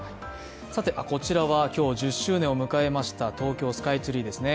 こちらは今日１０周年を迎えました東京スカイツリーですね。